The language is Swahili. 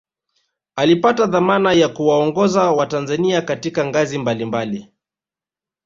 alipata dhamana ya kuwaongoza watanzania katika ngazi mbali mbali